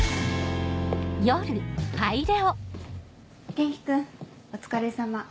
元気君お疲れさま。